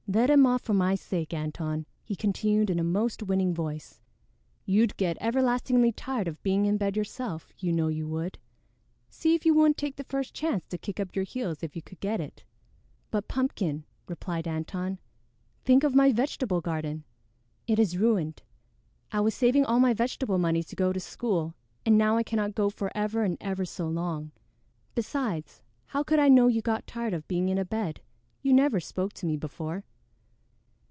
Let him off for my sake, Antone," he continued in a most winning voice. "You'd get everlastingly tired of being in bed yourself; you know you would. See if you wouldn't take the first chance to kick up your heels if you could get it." "But, Pumpkin," replied Antone, "think of my vegetable garden; it is ruined. I was saving all my vegetable money to go to school, and now I cannot go for ever and ever so long. Besides, how could I know you got tired of being in a bed? You never spoke to me before."